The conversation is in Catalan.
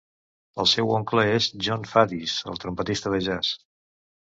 El seu oncle és Jon Faddis, el trompetista de jazz.